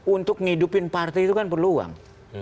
untuk ngidupin partai itu kan perlu uang